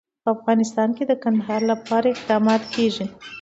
په افغانستان کې د کندهار لپاره اقدامات کېږي.